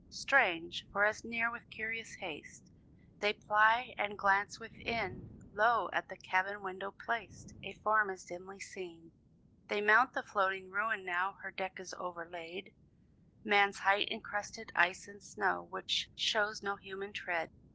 Strange! for, as near with curious haste They ply, and glance within, Lo! at the cabin window placed, A form is dimly seen. They mount the floating ruin now Her deck is overlaid Man's height in crusted ice and snow, Which shows no human tread.